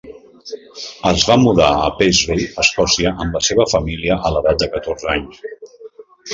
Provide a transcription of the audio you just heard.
Es va mudar a Paisley, Escòcia, amb la seva família a l'edat de catorze anys.